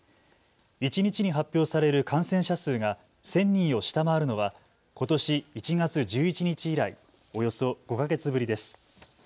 一日に発表される感染者数が１０００人を下回るのはことし１月１１日以来、およそ５か月ぶりです。